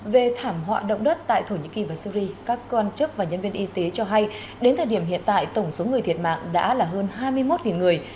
về thảm họa động đất tại thổ nhĩ kỳ và syri các quan chức và nhân viên y tế cho hay đến thời điểm hiện tại tổng số người thiệt mạng đã là hơn hai mươi một người